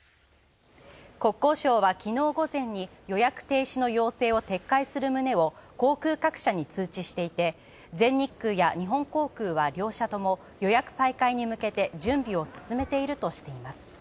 国交省は昨日午前に予約停止の要請を撤回する旨を航空各社に通知していて全日空や日本航空は両社とも「予約再開に向けて準備を進めている」としています。